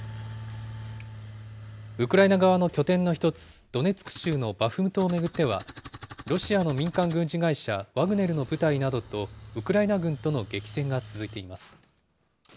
ウクライナ側の拠点の１つ、ドネツク州のバフムトを巡っては、ロシアの民間軍事会社、ワグネルの部隊などとウクライナ軍との激戦が続いています。